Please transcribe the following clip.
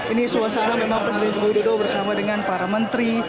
ini suasana memang presiden joko widodo bersama dengan para menteri